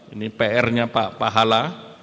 ini pr nya pak pahala